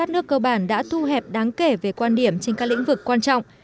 tạo ra một toàn điểm trên các lĩnh vực quan trọng